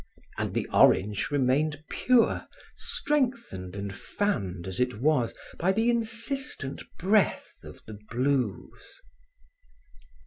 And the orange remained pure, strengthened and fanned as it was by the insistent breath of the blues.